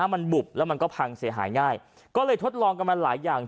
มันบุบแล้วมันก็พังเสียหายง่ายก็เลยทดลองกันมาหลายอย่าง